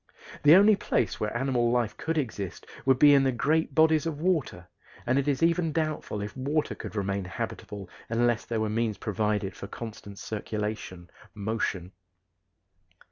The only place where animal life could exist would be in the great bodies of water, and it is even doubtful if water could remain habitable unless there were means provided for constant circulation motion.